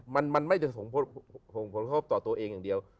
มันไม่ได้ส่งผลกระทบต่อตัวเองอย่างเดียว